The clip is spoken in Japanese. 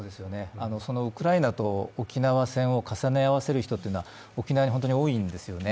そのウクライナと沖縄戦を重ね合わせる人は、沖縄に本当に多いんですね